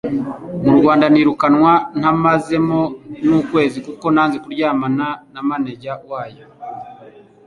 mu Rwanda nirukanwa ntamazemo n'ukwezi kuko nanze kuryamana na manager wayo